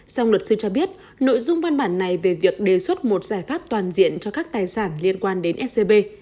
song luật sư cho biết nội dung văn bản này về việc đề xuất một giải pháp toàn diện cho các tài sản liên quan đến scb